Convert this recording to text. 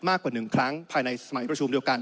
มากกว่า๑ครั้งภายในสมัยประชุมเดียวกัน